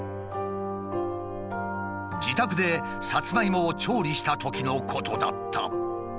自宅でサツマイモを調理したときのことだった。